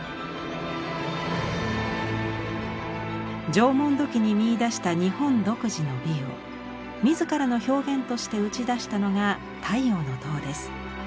縄文土器に見いだした日本独自の美を自らの表現として打ち出したのが「太陽の塔」です。